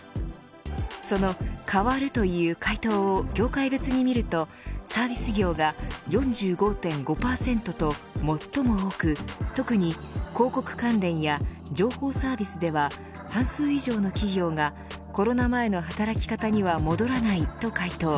その変わるという回答を業界別に見るとサービス業が４５．５％と最も多く特に広告関連や情報サービスでは半数以上の企業がコロナ前の働き方には戻らないと回答。